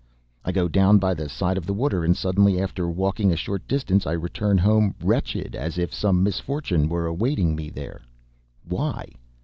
I go down by the side of the water, and suddenly, after walking a short distance, I return home wretched, as if some misfortune were awaiting me there. Why?